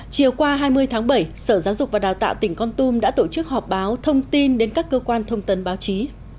chiều qua hai mươi tháng bảy sở giáo dục và đào tạo tỉnh con tum đã tổ chức họp báo thông tin đến các cơ quan thông tấn báo chí